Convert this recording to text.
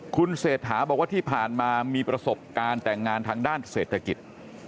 คุณเศรษฐาบอกว่าที่ผ่านมามีประสบการณ์แต่งงานทางด้านเศรษฐกิจ